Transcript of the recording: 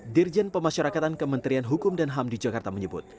dirjen pemasyarakatan kementerian hukum dan ham di jakarta menyebut